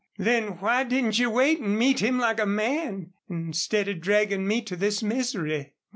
Then why didn't you wait and meet him like a man instead of dragging me to this misery?"